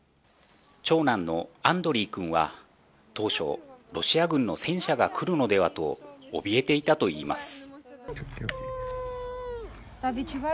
長男のアンドリーくんは当初、ロシア軍の戦車が来るのではと怯えていたといいます。